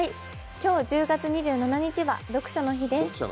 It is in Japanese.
今日１０月２７日は読書の日です。